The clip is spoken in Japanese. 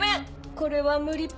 これは無理ぽ。